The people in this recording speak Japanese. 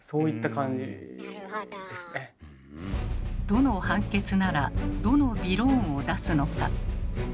どの判決ならどのびろーんを出すのか。